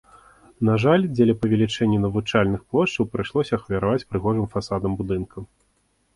На жаль, дзеля павелічэння навучальных плошчаў прыйшлося ахвяраваць прыгожым фасадам будынка.